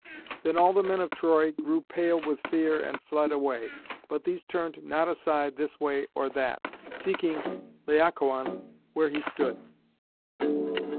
Then all the men of Troy grew pale with fear and fled away, but these turned not aside this way or that, seeking Laocoön where he stood.